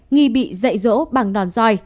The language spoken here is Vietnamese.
nghi bị dậy rỗ bằng nòn roi